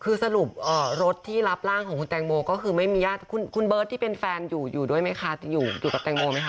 คือสรุปรถที่รับร่างของคุณแตงโมก็คือไม่มีญาติคุณเบิร์ตที่เป็นแฟนอยู่อยู่ด้วยไหมคะอยู่กับแตงโมไหมค